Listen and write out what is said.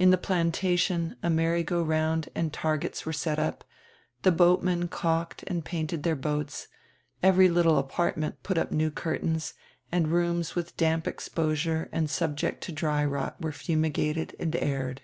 In die "Plantation" a merry go round and targets were set up, die boatmen calked and painted their boats, every little apartment put up new curtains, and rooms with damp exposure and subject to dry rot were fumigated and aired.